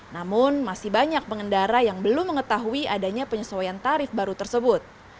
namun masih banyak pengendara yang belum mengetahui adanya penyesuaian tarif baru tersebut